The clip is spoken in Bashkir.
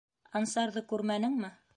Ансарҙы күрмәнеңме?